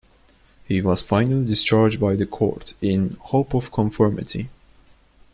He was finally discharged by the court in 'hope of conformity'.